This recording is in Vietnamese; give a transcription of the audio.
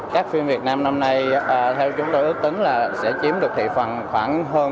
các phim việt nam năm nay theo chúng tôi ước tính là sẽ chiếm được thị phần khoảng hơn bốn mươi hai